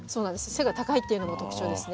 背が高いっていうのも特徴ですね。